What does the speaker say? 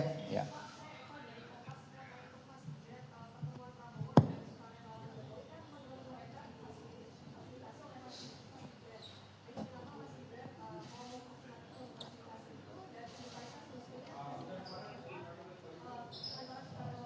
kalau mas astok masih masih di situ